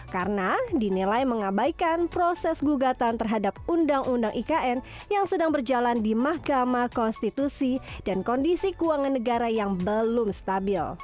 karena dinilai mengabaikan proses gugatan terhadap undang undang ikn yang sedang berjalan di mahkamah konstitusi dan kondisi keuangan negara yang belum stabil